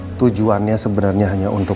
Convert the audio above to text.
karena tujuannya sebenarnya hanya untuk